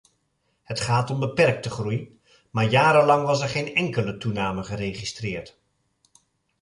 Het gaat om beperkte groei, maar jarenlang was er geen enkele toename geregistreerd.